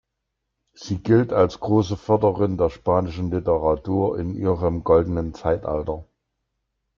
Sie gilt als große Förderin der spanischen Literatur in ihrem Goldenen Zeitalter.